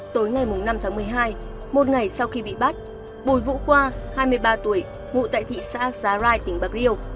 tối ngày năm tháng một mươi hai một ngày sau khi bị bắt bùi vũ khoa hai mươi ba tuổi ngụ tại thị xã giá rai tỉnh bạc liêu